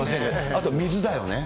あと水だよね。